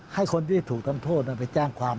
ให้คนที่ถูกทำโทษไปแจ้งความ